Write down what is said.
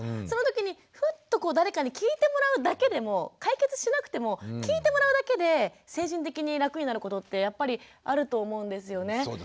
その時にふっとこう誰かに聞いてもらうだけでも解決しなくても聞いてもらうだけで精神的に楽になることってやっぱりあると思うんですよね。